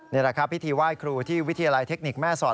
นี่แหละครับพิธีไหว้ครูที่วิทยาลัยเทคนิคแม่สอด